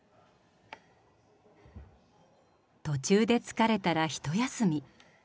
途中で疲れたら一休み。